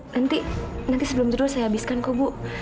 nanti nanti sebelum itu saya habiskan kok bu